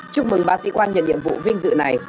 chúc mừng ba sĩ quan nhận nhiệm vụ vinh dự này